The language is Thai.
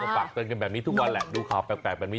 ฝากเตือนกันแบบนี้ทุกวันแหละดูข่าวแปลกแบบนี้